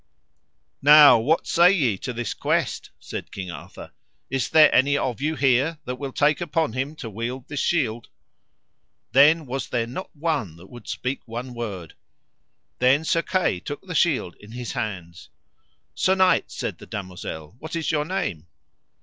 Now what say ye to this quest? said King Arthur; is there any of you here that will take upon him to wield this shield? Then was there not one that would speak one word. Then Sir Kay took the shield in his hands. Sir knight, said the damosel, what is your name?